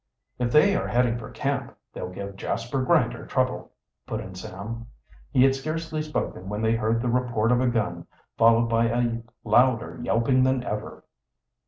"If they are heading for camp, they'll give Jasper Grinder trouble," put in Sam. He had scarcely spoken when they heard the report of a gun, followed by a louder yelping than ever.